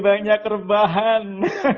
jadi kau merubahkan